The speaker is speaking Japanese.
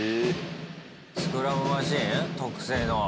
スクラムマシン？特製の。